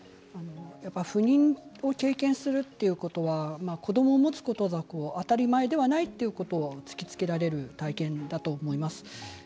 不妊を経験するということは子どもを持つことが当たり前ではないということを突きつけられる体験だと思います。